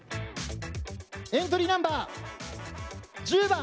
エントリーナンバー１０番！